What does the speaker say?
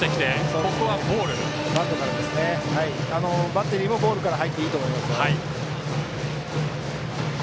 バッテリーもボールから入って、いいと思いますね。